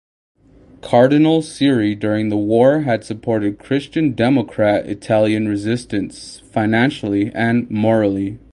Cardinal Siri during the war had supported Christian-Democrat Italian resistance financially and morally.